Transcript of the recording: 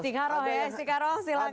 istikharoh ya istikharoh silahkan